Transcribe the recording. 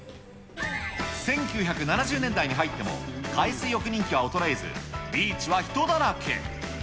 １９７０年代に入っても、海水浴人気は衰えず、ビーチは人だらけ。